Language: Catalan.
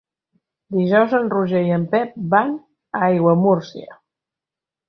Dijous en Roger i en Pep van a Aiguamúrcia.